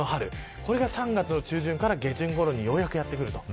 これが３月の中旬から下旬ごろにようやく、やってくると。